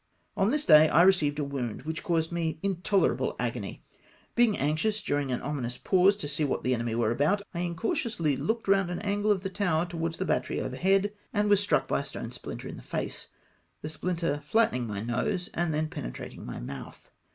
On this day I received a wound, which caused me intolerable agony. Being anxious, during an ominous pause, to see what the enemy were about, I incautiously looked round an angle of the tower towards the battery VOL T. X 306 LOSE MY NOSE. overhead, and was struck by a stone splinter in the face ; the sphnter flattening my nose and then pene trating my mouth.